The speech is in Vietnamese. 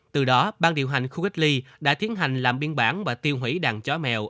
từ đó ban điều hành khu cách ly đã tiến hành làm biên bản và tiêu hủy đàn chó mèo